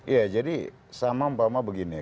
ya jadi sama mpama begini